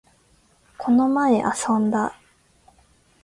この前、遊んだ